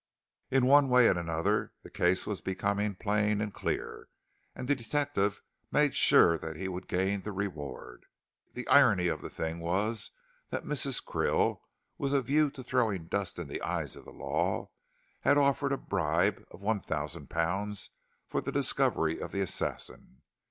In one way and another the case was becoming plain and clear, and the detective made sure that he would gain the reward. The irony of the thing was, that Mrs. Krill, with a view to throwing dust in the eyes of the law, had offered a bribe of one thousand pounds for the discovery of the assassin.